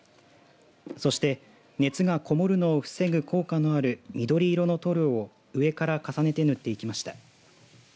そして熱がこもるのを防ぐ効果のある緑色の塗料を上から重ねて塗っていきました。